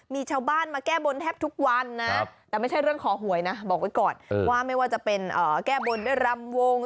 มีชาวบ้านมาแก้บนแทบทุกวันนะแต่ไม่ใช่เรื่องขอหวยนะบอกไว้ก่อนว่าไม่ว่าจะเป็นแก้บนด้วยรำวง